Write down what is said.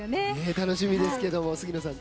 楽しみですけども杉野さん